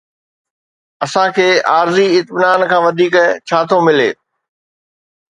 اسان کي عارضي اطمينان کان وڌيڪ ڇا ٿو ملي؟